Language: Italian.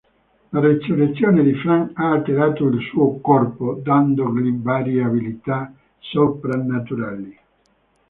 La resurrezione di Frank ha alterato il suo corpo, dandogli varie abilità soprannaturali.